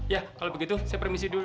ya kalau begitu saya permisi dulu